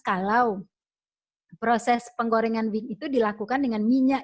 kalau proses penggorengan wing itu dilakukan dengan minyak